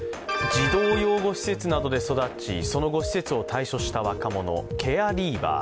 児童養護施設などで育ちその後、施設を退所した若者ケアリーバー。